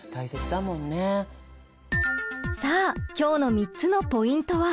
さあ今日の３つのポイントは。